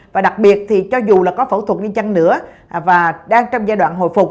và đặc biệt thì cho dù là có phẫu thuật viên chăn nữa và đang trong giai đoạn hồi phục